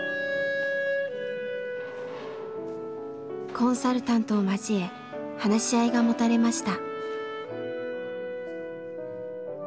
コンサルタントを交え話し合いが持たれました。